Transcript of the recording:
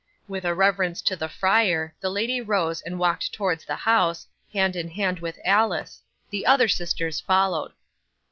With a reverence to the friar, the lady rose and walked towards the house, hand in hand with Alice; the other sisters followed.